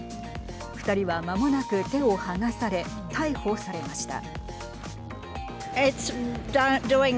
２人は、まもなく手を剥がされ逮捕されました。